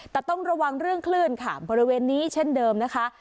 แต่ต้องระวังเรื่องคลื่นค่ะบริเวณนี้เช่นเดิมนะคะ